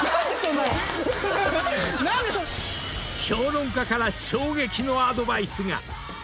［評論家から衝撃のアドバイスが！］